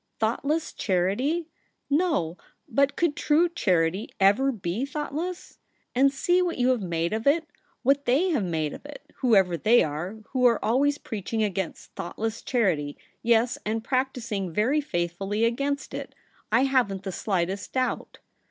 ' Thoughtless charity ? No ; but could true charity ever be thoughtless ? And see what you have made of it, what they have made of it, w^hoever they are, who are always preaching against thoughtless charity — yes. and practising very faithfully against it, I haven't the slightest doubt.